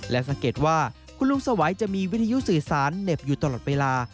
และสังเกตว่าคุณลุงสวัยจะมีวิทยุสื่อสารเหน็บอยู่ตลอดเวลา